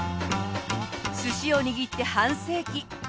寿司を握って半世紀。